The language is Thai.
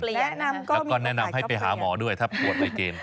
แล้วก็แนะนำให้ไปหาหมอด้วยถ้าปวดในเกณฑ์